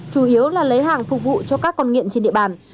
chủ yếu là lấy hàng phục vụ cho các con nghiện chiến đấu